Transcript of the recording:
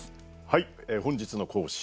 はい本日の講師